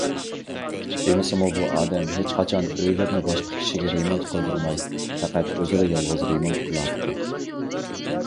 دېمىسىمۇ بۇ ئادەم ھېچقاچان ئۆيلىرىنى باشقا كىشىگە رېمونت قىلدۇرماي، پەقەت ئۆزىلا يالغۇز رېمونت قىلاتتى.